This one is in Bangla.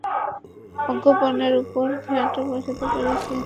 ভোগ্যপণ্যের ওপর ভ্যাট বসতে পারে, কিন্তু বিনিয়োগের ওপর ভ্যাট বসানো যাবে না।